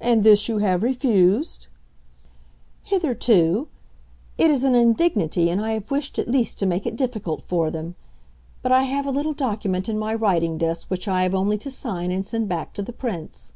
"And this you have refused?" "Hitherto. It is an indignity, and I have wished at least to make it difficult for them. But I have a little document in my writing desk which I have only to sign and send back to the Prince."